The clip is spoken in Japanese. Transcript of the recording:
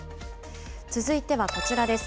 続いてはこちらです。